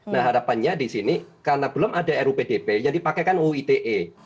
nah harapannya disini karena belum ada ru pdp yang dipakaikan uite